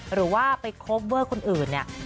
หรือว่าไปโคเวอร์คนอื่นเนี่ย